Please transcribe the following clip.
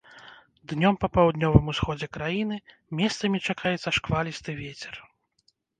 Днём па паўднёвым усходзе краіны месцамі чакаецца шквалісты вецер.